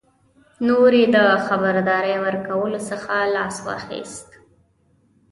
نور یې د خبرداري ورکولو څخه لاس واخیست.